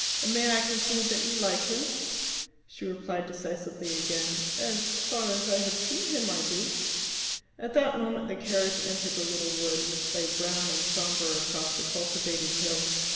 "May I conclude that you like him?" She replied decisively again, "As far as I have seen him, I do." At that moment the carriage entered a little wood, which lay brown and sombre across the cultivated hill.